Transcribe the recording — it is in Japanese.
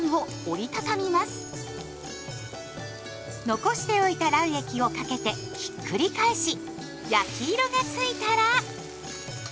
残しておいた卵液をかけてひっくり返し焼き色がついたら。